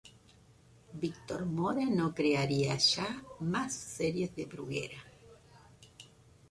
Víctor Mora no crearía ya más series para Bruguera.